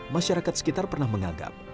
masyarakat sekitar pernah menganggap